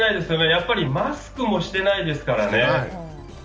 やっぱりマスクもしてないですからね。